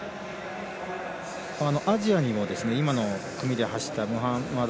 アジアにも今の組で走ったムハマド